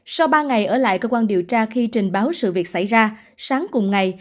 sau ba ngày ở lại cơ quan điều tra khi trình báo sự việc xảy ra sáng cùng ngày